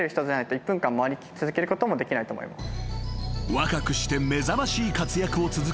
［若くして目覚ましい活躍を続ける冬妃さん］